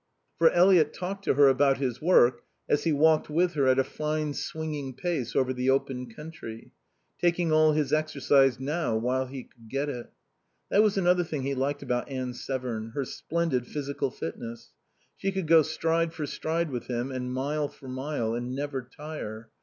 For Eliot talked to her about his work as he walked with her at a fine swinging pace over the open country, taking all his exercise now while he could get it. That was another thing he liked about Anne Severn, her splendid physical fitness; she could go stride for stride with him, and mile for mile, and never tire.